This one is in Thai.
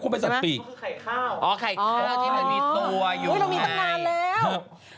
คุณไปจัดปีนะใช่ไหมอ๋อไข่ข้าวที่มันมีตัวอยู่ไหนอ๋ออุ้ยเรามีตำนานแล้ว